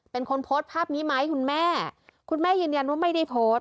เป็นคนโพสต์ภาพนี้ไหมคุณแม่คุณแม่ยืนยันว่าไม่ได้โพสต์